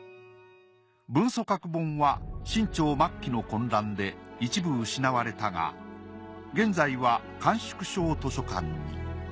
文溯閣本は清朝末期の混乱で一部失われたが現在は甘粛省図書館に。